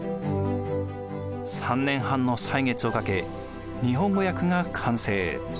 ３年半の歳月をかけ日本語訳が完成。